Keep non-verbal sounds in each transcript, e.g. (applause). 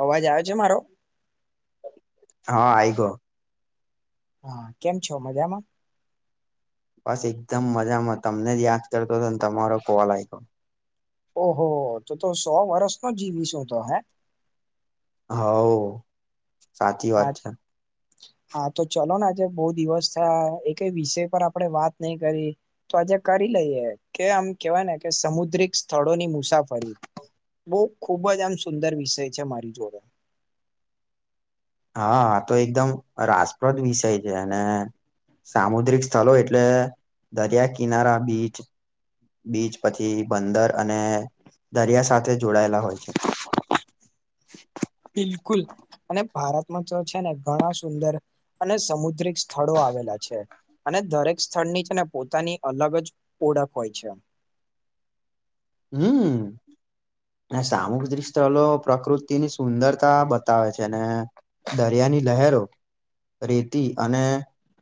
અવાજ આવે છે મારો? હા આઈ ગયો. હા કેમ છો મજામા? બસ એકદમ મજામા તમને જ યાદ કરતો હતો ને તમારો કોલ આ ગયો. ઓહો તો તો સો વર્ષ નો જીવીશ હું તો. હે? હઉ સાચી હા વાત છે. હા તો ચલો ને આજે બઉ દિવસ થયા એકેય વિષય પર આપડે વાત નહી કરી તો આ કરી લઈએ કે આમ કેવાય ને કે સમુદ્રિક સ્થળો ની મુસાફરી બઉ ખૂબ જ આમ સુંદર વિષય છે મારી જોડે. હા આ તો એકદમ રાસપદ વિષય છે અને- સામુદ્રિક સ્થલો એટલે દરિયા કિનારા બીચ બીચ પછી બંદર અને દરિયા સાથે જોડાયેલા હોય છે. (inaudible) બિલકુલ અને ભારતમા તો છે ને ઘણા સુંદર અને સમુદ્રિક સ્થળો આવેલા છે. અને દરેક સ્થળની છે ને પોતાની એક અલગ જ ઓળખ હોય છે. હમ અને સામુદ્રિક સ્થલો પ્રકૃતિની સુંદરતા બતાવે છે ને દરિયા. ની લહેરો રેતી અને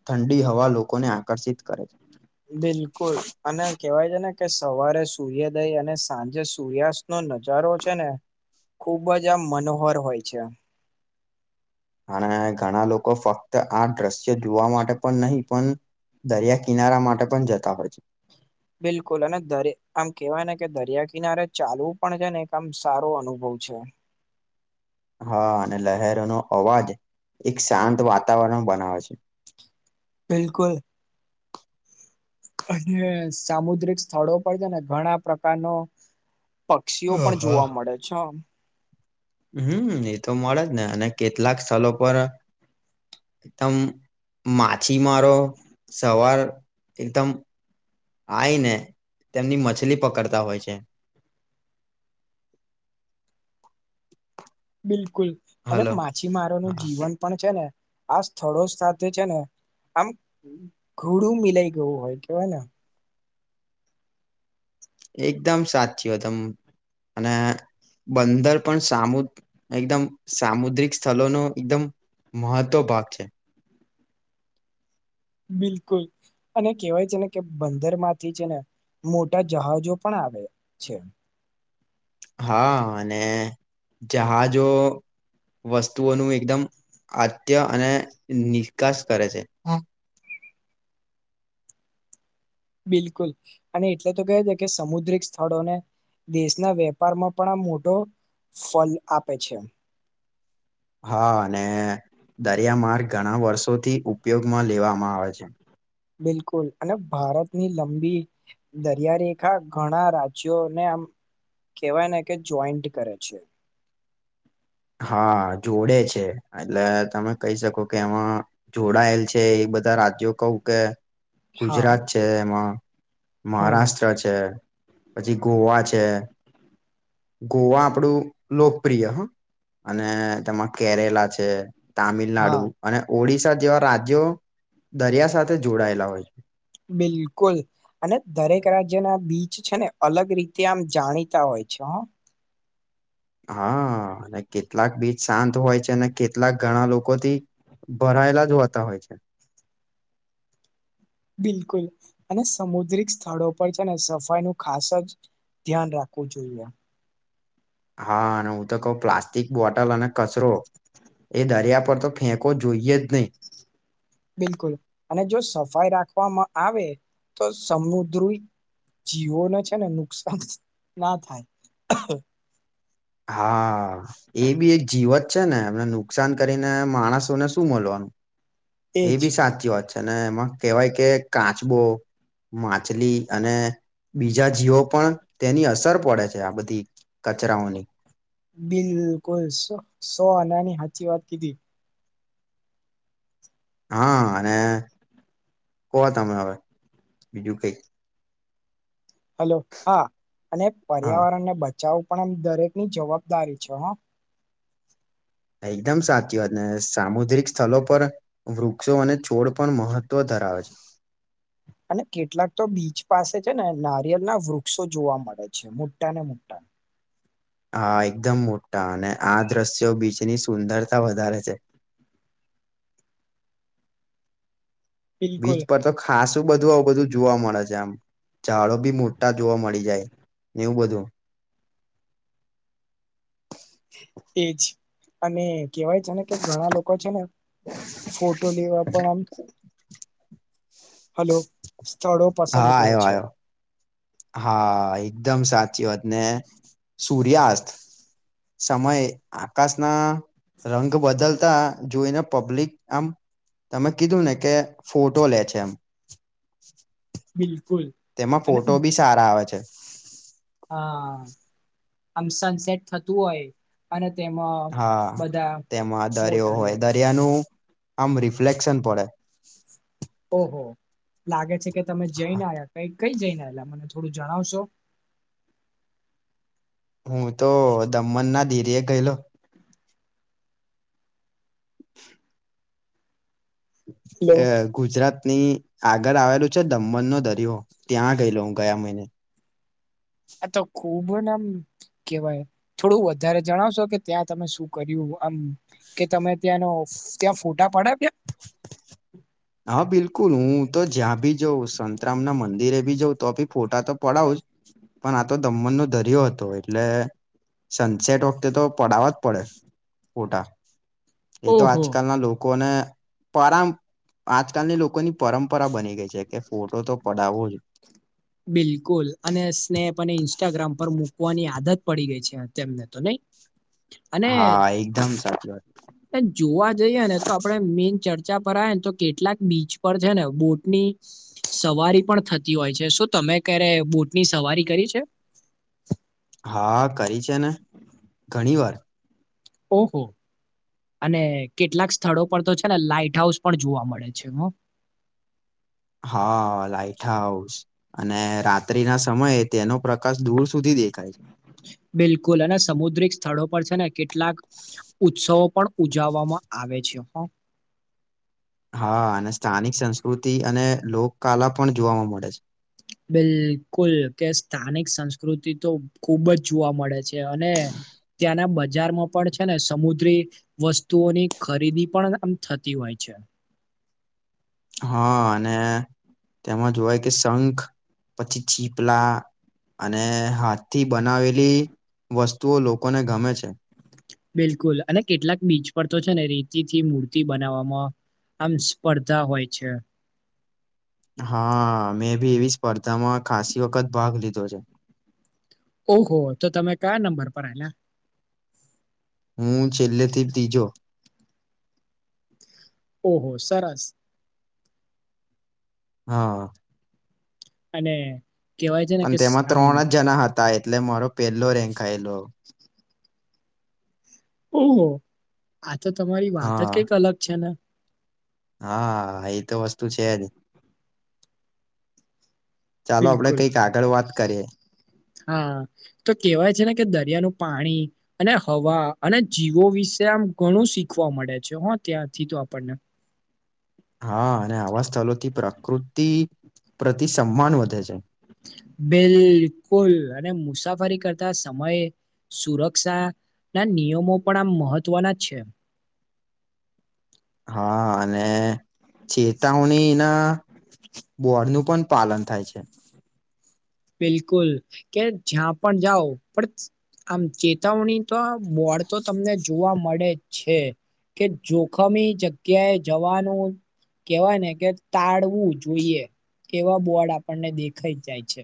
ઠંડી હવા લોકોને આકર્ષિત કરે છે. બિલકુલ અને કેવાય છે ને કે સવારે સૂર્યોદય અને સાંજે સૂર્યાસ્ત નો નજારો છે ને ખૂબ જ આમ મનોહર હોય છે. અને ઘણા લોકો ફક્ત આ દ્રશ્યો જોવા માટે પણ નહી પણ દરિયા કિનારા માટે પણ જતા હોય છે. બિલકુલ અને દર આમ કેવાય ને કે દરિયા કિનારે ચાલવુ પણ છે ને એક આમ સારો અનુભવ છે હા અને લહેરોનો અવાજ એક શાંત વાતાવરણ બનાવે છે. બિલકુલ અને સામુદ્રિક સ્થળો પર છે ને ઘણા પ્રકારનો પક્ષીઓ છે પણ હા જોવા મળે છે. હમ એ તો મળે જ ને અને કેતલાક સ્થલો પર એકદમ માછીમારો સવાર એકદમ આઈને તેમની મછલી પકડતા હોય છે. (inaudible) બિલકુલ અને હલો માછીમારો નુ હા જીવન પણ છે ને આ સ્થળો સાથે છે ને આમ ઘુડુ મિલાઈ ગયુ હોય કેવાય ને. એકદમ સાચીયતમ અને બંદર પણ સામુ એકદમ સામુદ્રિક સ્થલો નો એકદમ મહત્વ ભાગ છે. બિલકુલ અને કેહેવાય છે ને કે બંદર માથી છે ને મોટા જહાજો પણ આવે છે. હા અને જહાજો વસ્તુઓનુ એકદમ આત્ય અને નિકાસ કરે છે. બિલકુલ અને એટલે તો કે છે કે સમુદ્રિક સ્થળોને દેશના વેપારમા પણ આ મોટો ફલ આપે છે. હા અને દરિયામાર્ગ ઘણા વર્ષોથી ઉપયોગમાં લેવામાં આવે છે. બિલકુલ અને ભારતની લંબી દરિયા રેખા ઘણા રાજ્યોને આમ કવાય ને કે જોઈન્ટ કરે છે. હા, જોડે છે એટલે તમે કહી શકો કે એમાં જોડાયેલ છે એ બધા રાજ્યો કવું કે હા ગુજરાત છે એમાં હમ મહારાષ્ટ્ર છે, પછી ગોવા છે ગોવા આપણું લોકપ્રિય હ અને તમાં કેરેલા છે તામિલનાડુ હા અને ઓડિશા જેવા રાજ્યો દરિયા સાથે જોડાયેલા હોય છે. બિલકુલ અને દરેક રાજ્યના બીચ છે ને અલગ રીતે આમ જાણીતા હોય. ઈચ્છા. હા અને કેટલાક બીચ શાંત હોય છે અને કેટલાક ઘણા લોકોથી ભરાયેલા જ હોતા હોય છે. હ બિલકુલ અને સમુદ્રિક સ્થળો પર છે ને સફાઈ નું ખાસ અજ ધ્યાન રાખવું જોઈએ. હા અને હું તો કઉ પ્લાસ્ટિક બોટલ અને કચરો એ દરિયા પર તો ફેંકો જોઈએ જ નહીં. બિલકુલ અને જો સફાઈ રાખવામાં આવે તો સમુદ્રી જીવોને છે ને નુકસાન ના થાય. હા, એ બી એક જીવત છે ને એમને નુકસાન કરીને માણસોને શું મલવાનું. એ એજ બી સાચી વાત છે ને એમાં કેહેવાય કે કાચબો માછલી અને બીજા જીવો પણ તેની અસર પડે છે, આ બધી કચરાઓની બિલકુલ સો સો આનાની હાચી વાત કીધી. હા અને કો તમે હવે બીજું કઈ. હલો, હા અને હા પર્યાવરણ ના બ ચાઉ પણ એમ દરેકની જવાબદારી છે હા. એકદમ સાચી વાત ને સામુદ્રિક સ્થલો પર વૃક્ષો અને છોડ પણ મહત્વ ધરાવે છે અને કેટલાક તો બીચ પાસે છે ને નારિયલ ના વૃક્ષો જોવા મળે છે મોટા ને મોટા. હા, એકદમ મોટા અને આ દ્રશ્યો બીચની સુંદરતા વધારે છે. થ.. બીચ પર તો ખાસું બધું આવું બધું જોવા મળે છે આમ. ચાડો બી મોટા જોવા મળી જાય ને એવું બધું. એજ અને કેવાય છે ને કે ઘણા લોકો છે ને ફોટો લેવા પણ આમ હલો સ્થળો પસંદ હા કરે આવ્યો છે. આવ્યો હા, એકદમ સાચી વાત ને સૂર્યાસ્ત સમય આકાશ ના રંગ બદલતા જોઈને પબ્લિક આમ તમે કીધું ને કે ફોટો લે છે એમ. બિલકુલ તેમાં અને ફોટો બી સારા આવે છે. હા, આમ સનસેટ થતું હોય અને તેમાં હા, બધા તેમાં દરિયો ફોટા લે હોય દરિયાનું આમ રિફ્લેક્શન પડે. ઓહો લાગે છે કે તમે જઈને આયા કઈ કઈ જઈને એલા મને થોડું જણાવશો? હું તો દમન ના ધીરે ગયેલો. થ.. હલો એહ ગુજરાતની આગળ આવેલું છે દમન નો દરિયો, ત્યાં ગયેલો હું. ગયા મહિને આ તો ખુબ ના આમ કેવાય થોડું વધારે જણાવશો કે ત્યાં તમે શું કર્યું આમ કે તમે ત્યાંનો ત્યાં ફોટા પડાવ્યા. (unintelligible) હા બિલકુલ હું તો જ્યાં ભી જઉં સંતરામ ના મંદિરે ભી જાઉં તો બી ફોટા તો પડાવ જ પણ આ તો દમણનો દરયો હતો એટલે સનસેટ વખતે તો પડવા જ પડે ફોટા એ તો ઓહો આજકાલના લોકોને પરમ આજકાલની લોકોની પરંપરા બની ગઈ છે કે ફોટો તો પડાવવો જ. બિલકુલ અને સ્નેપ અને ઇન્સ્ટાગ્રામ પર મૂકવાની આદત પડી ગઈ છે તેમને તો નહી (unintelligible) અને હા એકદમ સાચી વાત જોવા જઈએ ને તો આપણે મેન ચર ચા પર ને તો કેટલાક બીચ પર છે ને બોટ ની સવારી પણ થતી હોય છે શું તમે ક્યારે બોટની સવારી કરી છે. હા કરી છે ને ઘણી વાર. ઓહો. અને કેટલાક સ્થળો પર તો છે ને લાાઈટ હાઉસ પણ જોવા મળે છે હો. (unintelligible) હા લાાઈટ હાઉસ અને રાત્રિ ના સમયે તેનો પ્રકાશ દૂર સુધી દેખાય છે. (unintelligible) બિલકુલ અને સમુદ્રિક સ્થળો પર છે ને કેટલાક ઉત્સવો પણ ઉજવવામાં આવે છે હો. હા અને સ્થાનિક સંસ્કૃતિ અને લોક કલા પણ જોવાવામાં મળે છે બિલકુલ કે સ્થાનિક સંસ્કૃતિ તો ખુબ જ જોવા મળે છે અને ત્યાંના બજારમાં પણ છે ને સમુદ્રી વસ્તુઓની ખરીદી પણ આમ થતી હોય છે. હા અને તેમાં જોવાય કે શંખ પછી છીપલા અને હાથથી બનાવેલી વસ્તુઓ લોકોને ગમે છે. બિલકુલ અને કેટલાક બીચ પર તો છે ને રીતિથી મૂર્તિ બનાવવામાં આમ સ્પર્ધા હોય છે. (unintelligible) હા મેં ભી એવી સ્પર્ધામાં ખાસી વખત ભાગ લીધો છે. ઓહો તો તમે કયા નંબર પર આયલા. હું છેલ્લેથી તીજો. ઓહો સરસ. હા. અને કેહેવાય છે ને પણ કે સ- તેમાં આમ ત્રણ જ જણા હતા એટલે મારો પહેલો રેન્ક આયેલો. ઓહો આ તો તમારી વાત જ હા કઈક અલગ છે ને હા એ તો વસ્તુ છેજ. ચાલો આપડે બિલકુલ કઈક આગળ વાત કરીએ હા તો કેહેવાય છે ને કે દરિયાનું પાણી અને હવા અને જીવો વિશે આમ ઘણું શીખવા મળે છે હ ત્યાંથી તો આપણને હા અને આવા સ્થળથી પ્રકૃતિ પ્રતિ સનમાન વધે છે. બિલકુલ અને મુસાફરી કરતા સમયે સુરક્ષા ના નિયમો પણ આ મહત્વના છે. (unintelligible) હા અને ચેતવણીના બોડનું પણ પાલન થાય છે બિલકુલ કે જ્યાં પણ જાઓ પણ આમ ચેતવણી તો બોડ તો તમને જોવા મળે છે કે જોખમી જગ્યાએ જવાનું કેવાય ને કે તાળવું જોઈએ એવા બોર્ડ આપણને દેખાઈ જાય છે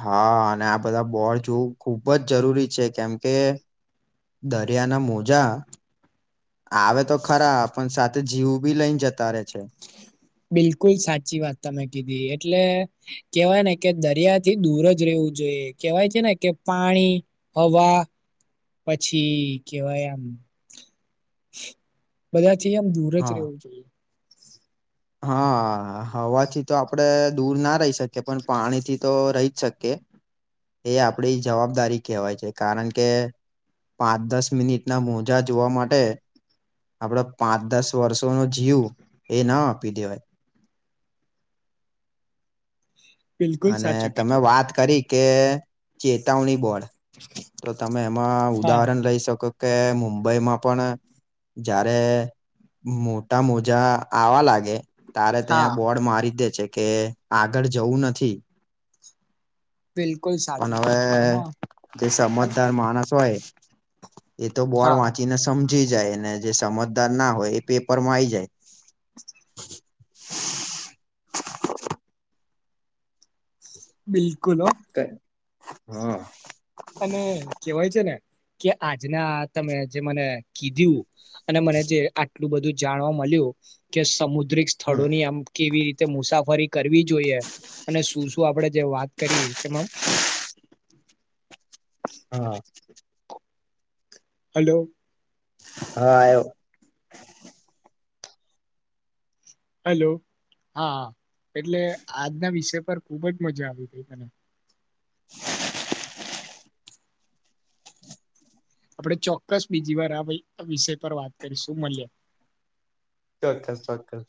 હા અને આ બધા બોડ જોવું ખૂબ જ જરૂરી છે કેમ કે દરિયાના મોજા આવે તો ખરા પણ સાથે જીવ બી લઈને જતા રે છે. બિલકુલ સાચી વાત તમે કીધી એટલે કેવાય ને કે દરિયા થી દૂર જ રવું જોઈએ કેવાય છે ને કે પાણી, હવા પછી કેવાય એમ બધા તીઆમ દૂર જ હા રહેવું જોઈએ હા હવાથી તો આપડે દૂર ના રહી શકીએ પણ પાણી થી તો રહી શકે એ આપડી જવાબદારી કહેવાય છે કારણ કે પાંચ દસ મિનિટના મોજા જોવા માટે આપડો પાંચ દસ વર્ષો નો જીવ એ ના દિવા બિલકુલ અને સાચું તમે કીધું વાત કરી કે ચેતાવણી બોડ તો તમે એમાં હા ઉદાહરણ લઈ શકો કે મુંબઈમાં પણ જયારે મોટા મોજા આવા લાગ તારે હા ત્યાં બોર્ડ મારી દે છે કે આગળ જવું નથી બિલકુલ પણ સાચું તમે હવે કીધું હા જે અન- સમજદાર માણસ હોય એ તો બોડ હા વાંચીને સમજી જાય જે સમજદાર ના હોય એ પેપરમાં આઈ જાય (inaudible) (inaudible) બિલકુલ હ જાય હા અને કેવાય છે ને કે આજના તમે જે મને કીધું અને મને જે આટલું બધું જાણવા મલ્યું કે સમુ દ્રિક હા સ્થળોની આમ કેવી રીતે મુસાફરી કરવી જોઈએ અને શું શું આપડે જે વાત કરી તેમાં હા હલો હા આ હલો હા એટલે આજના વિષય પર ખુબ જ મજા આવી હતી તને (inaudible) આપડે ચોક્કસ બીજી વાર આ વય વિષય પર વાત કરીશું મલીયે ચોક્કસ ચોક્કસ